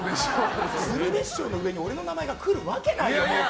鶴瓶師匠の上に俺の名前が来るわけないよね。